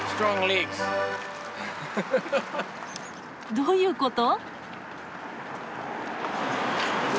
どういうこと？